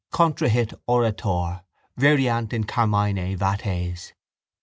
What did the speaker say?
Contrahit orator, variant in carmine vates.